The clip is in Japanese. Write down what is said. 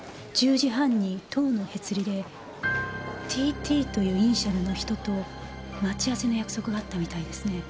１０時半に塔のへつりでＴ．Ｔというイニシャルの人と待ち合わせの約束があったみたいですね。